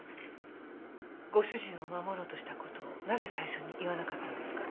ご主人を守ろうとした事をなぜ最初に言わなかったんですか？